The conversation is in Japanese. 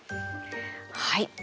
はい。